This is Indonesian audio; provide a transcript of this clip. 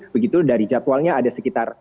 begitu dari jadwalnya ada sekitar